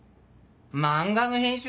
漫画の編集